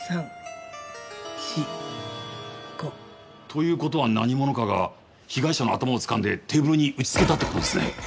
１２３４５。という事は何者かが被害者の頭をつかんでテーブルに打ちつけたって事ですね？